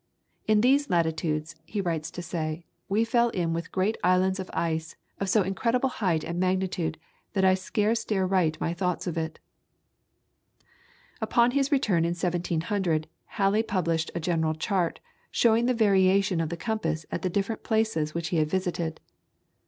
"In these latitudes," he writes to say, "we fell in with great islands of ice of so incredible height and magnitude, that I scarce dare write my thoughts of it." On his return in 1700, Halley published a general chart, showing the variation of the compass at the different places which he had visited.